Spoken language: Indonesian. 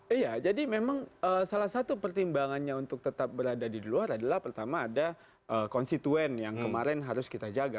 iya jadi memang salah satu pertimbangannya untuk tetap berada di luar adalah pertama ada konstituen yang kemarin harus kita jaga